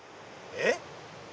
えっ？